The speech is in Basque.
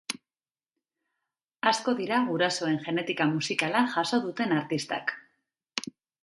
Asko dira gurasoen genetika musikala jaso duten artistak.